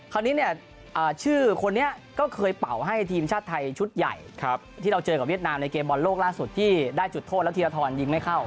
คราวนี้เนี่ยชื่อคนนี้ก็เคยเป่าให้ทีมชาติไทยชุดใหญ่ที่เราเจอกับเวียดนามในเกมบอลโลกล่าสุดที่ได้จุดโทษแล้วธีรทรยิงไม่เข้า